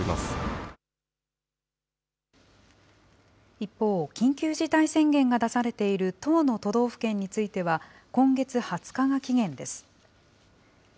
一方、緊急事態宣言が出されている１０の都道府県については、今月２０日が期限です。